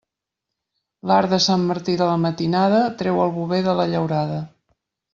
L'arc de Sant Martí de la matinada treu el bover de la llaurada.